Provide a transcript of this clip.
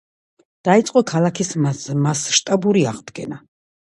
დაიწყო ქალაქის მასშტაბური აღდგენა.